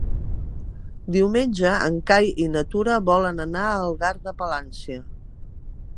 Diumenge en Cai i na Tura volen anar a Algar de Palància.